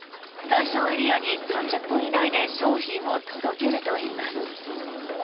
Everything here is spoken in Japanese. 対象エリアに３０分以内で商品を届けるといいます。